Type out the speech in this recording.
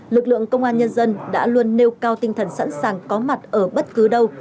lực lượng công an nhân dân đã luôn nêu cao tinh thần sẵn sàng có mặt ở bất cứ đâu